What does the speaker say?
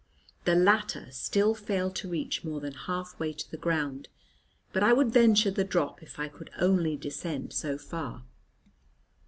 The latter still failed to reach more than half way to the ground, but I would venture the drop if I could only descend so far.